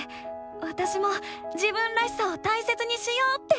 わたしも「自分らしさ」を大切にしようって思ったよ！